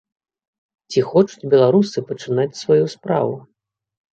Ці хочуць беларусы пачынаць сваю справу?